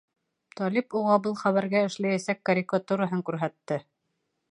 Талип уға был хәбәргә эшләйәсәк карикатураһын күрһәтте.